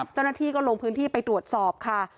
เจ้าหน้าที่ก็ลงพื้นที่ไปตรวจสอบค่ะ